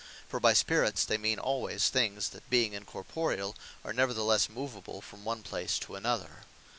For by Spirits, they mean alwayes things, that being incorporeall, are neverthelesse moveable from one place to another.